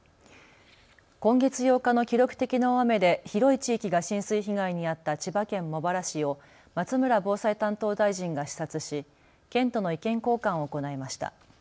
今月８日の記録的な大雨で広い地域が浸水被害に遭った千葉県茂原市を松村防災担当大臣が視察し県との意見交換を行いました。